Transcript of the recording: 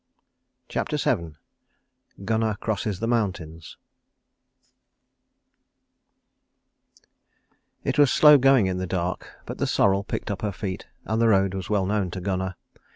CHAPTER VII GUNNAR CROSSES THE MOUNTAINS It was slow going in the dark, but the sorrel picked up her feet, and the road was well known to Gunnar.